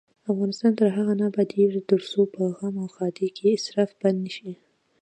افغانستان تر هغو نه ابادیږي، ترڅو په غم او ښادۍ کې اسراف بند نشي.